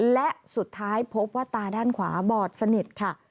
และสุดท้ายพบว่าตาด้านขวาบอดสนิทค่ะ